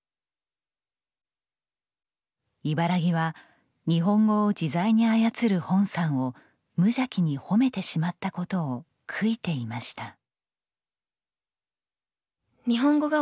茨木は日本語を自在に操るホンさんを無邪気に褒めてしまったことを悔いていました。